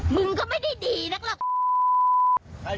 มึงก็ไม่ได้ดีนะกลับ